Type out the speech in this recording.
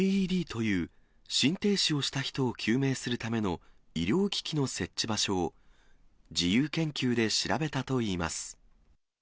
ＡＥＤという、心停止をした人を救命するための医療機器の設置場所を自由研究で調べたといいます。